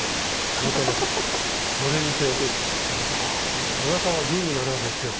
それ見ておなかがグーグー鳴るわけですよ。